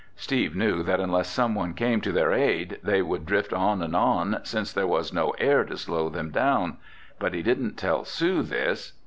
Steve knew that unless someone came to their aid they would drift on and on since there was no air to slow them down. But he didn't tell Sue this.